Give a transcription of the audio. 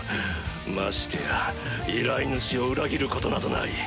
ましてや依頼主を裏切ることなどない。